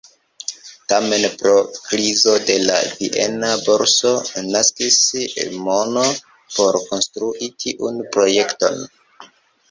Tamen pro krizo de la viena borso, mankis mono por konstrui tiun projekton.